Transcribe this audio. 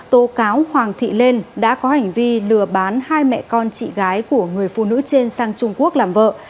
tố cáo hoàng thị lên đã có hành vi lừa bán hai mẹ con chị gái của người phụ nữ trên sang trung quốc làm vợ